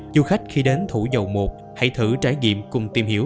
du khách khi đến thủ dầu một hãy thử trải nghiệm cùng tìm hiểu